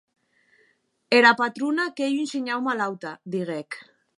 Era patrona qu’ei un shinhau malauta, didec.